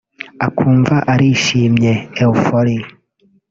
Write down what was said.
akumva arishimye (euphorie)